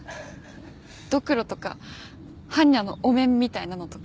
ドクロとか般若のお面みたいなのとか？